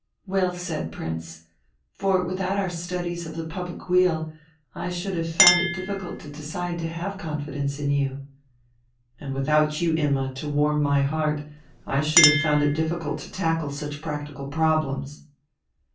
"Well said, Prince. For without our studies of the public weal I should have found it difficult to decide to have confidence in you." "And without you, Imma, to warm my heart, I should have found it difficult to tackle such practical problems."